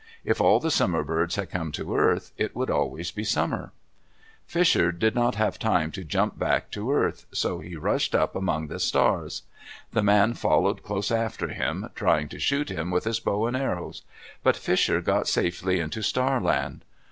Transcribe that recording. If all the Summer Birds had come to earth, it would always be summer. Fisher did not have time to jump back to earth, so he rushed up among the stars. The man followed close after him, trying to shoot him with his bow and arrows. But Fisher got safely into Star Land.